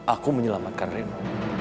aku menyelamatkan reno